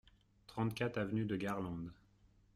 trente-quatre avenue de Garlande